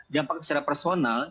dampak secara personal